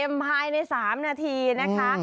เต็มภายใน๓นาทีนะคะ